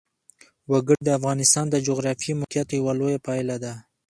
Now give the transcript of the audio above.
وګړي د افغانستان د جغرافیایي موقیعت یوه لویه پایله ده.